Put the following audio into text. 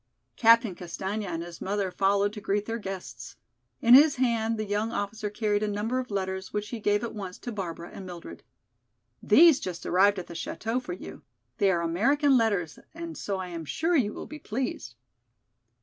Captain Castaigne and his mother followed to greet their guests. In his hand the young officer carried a number of letters which he gave at once to Barbara and Mildred. "These just arrived at the chateau for you; they are American letters and so I am sure you will be pleased."